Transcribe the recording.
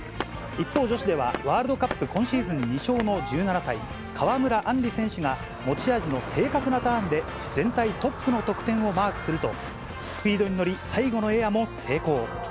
一方、女子ではワールドカップ今シーズン２勝の１７歳、川村あんり選手が、持ち味の正確なターンで、全体トップの得点をマークすると、スピードに乗り、最後のエアも成功。